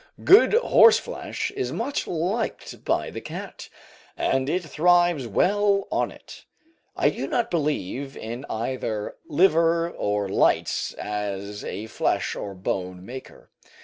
Good horseflesh is much liked by the cat, and it thrives well on it. I do not believe in either liver or lights as a flesh or bone maker.